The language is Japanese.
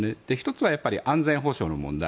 １つは安全保障の問題。